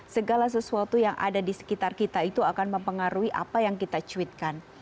segala sesuatu yang ada di sekitar kita itu akan mempengaruhi apa yang kita cuitkan